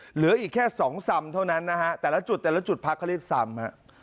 เหลืออีกแค่สองซำเท่านั้นนะฮะแต่ละจุดแต่ละจุดพักเขาเรียกซ้ำฮะ